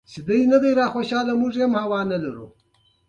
چي پر مځکه خوځېدله د ده ښکار وو